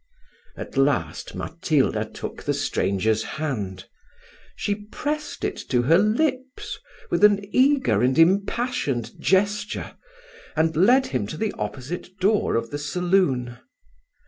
At last Matilda took the stranger's hand: she pressed it to her lips with an eager and impassioned gesture, and led him to the opposite door of the saloon.